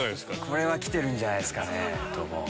これは来てるんじゃないですかね。